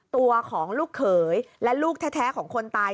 ตัวของลูกเขยและลูกแท้ของคนตาย